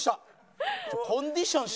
コンディション